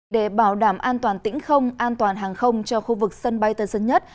để bảo đảm an toàn tỉnh không an toàn hàng không cho khu vực sân bay tân dân nhất